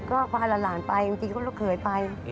ก็พาละหลานไปจริงก็เคยไป